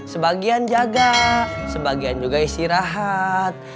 sebagian jaga sebagian juga istirahat